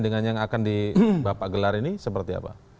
dengan yang akan di bapak gelar ini seperti apa